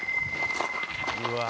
うわ。